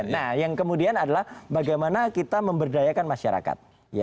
nah yang kemudian adalah bagaimana kita memberdayakan masyarakat